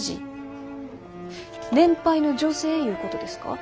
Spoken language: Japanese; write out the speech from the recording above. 年配の女性いうことですか？